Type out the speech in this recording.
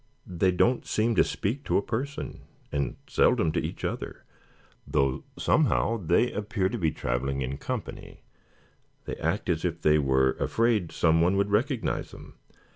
They don't seem to speak to a person, and seldom to each other, though somehow they appear to be traveling in company. They act as if they were afraid someone would recognize them.